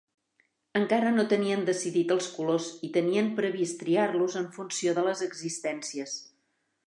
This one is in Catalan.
Encara no tenien decidit els colors i tenien previst triar-los en funció de les existències.